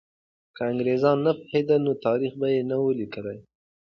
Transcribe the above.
که انګریزان نه پوهېدل، نو تاریخ به یې نه وو لیکلی.